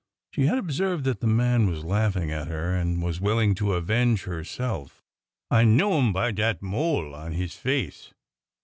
She had observed that the man was laughing at her, and was willing to avenge herself. I know 'im by dat mole on his face."